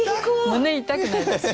胸痛くないですか？